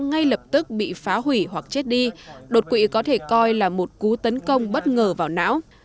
ngay lập tức bị phá hủy hoặc chết đi đột quỵ có thể coi là một cú tấn công bất ngờ vào não